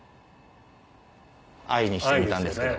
「愛」にしてみたんですけど。